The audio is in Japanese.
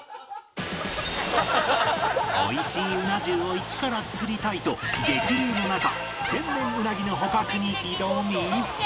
美味しいうな重をイチから作りたいと激流の中天然ウナギの捕獲に挑み